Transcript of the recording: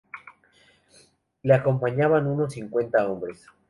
Le acompañaban unos cincuenta hombres.